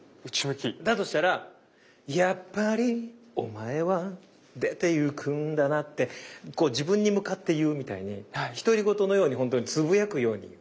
だとしたら「やっぱりお前は出て行くんだな」ってこう自分に向かって言うみたいに独り言のようにほんとにつぶやくように言う。